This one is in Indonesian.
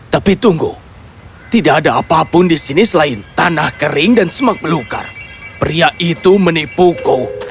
tapi tunggu tidak ada apapun di sini selain tanah kering dan semak belukar pria itu menipuku